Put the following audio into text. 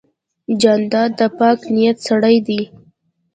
جانداد د پاک نیت سړی دی.